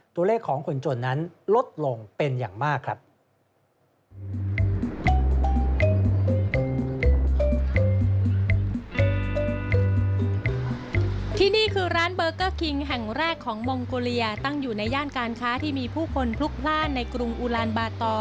ตัวเลขของคนจนนั้นลดลงเป็นอย่างมากครับ